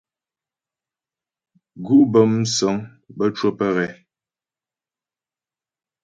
Gǔ' bə́ músəŋ bə́ cwə́ pə́ ghɛ.